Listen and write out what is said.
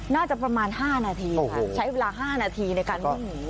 น่าจะประมาณ๕นาทีค่ะใช้เวลา๕นาทีในการวิ่งหนี